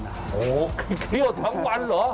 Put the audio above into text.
โหเครี่ยวทั้งวันเหรอ